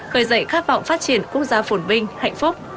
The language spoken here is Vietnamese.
khởi dậy khát vọng phát triển quốc gia phổn vinh hạnh phúc